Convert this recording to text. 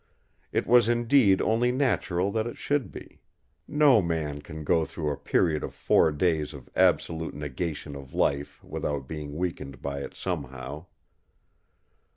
It was indeed only natural that it should be. No man can go through a period of four days of absolute negation of life without being weakened by it somehow.